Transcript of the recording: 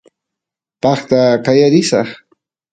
paqta qaya risaq